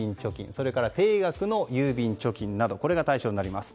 それから定額の郵便貯金などが対象になります。